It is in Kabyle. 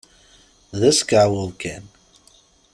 D askeɛwew kan!